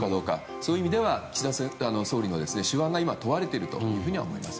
そういう意味では岸田総理の手腕が今、問われていると思います。